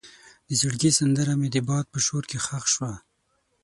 د زړګي سندره مې د باد په شور کې ښخ شوه.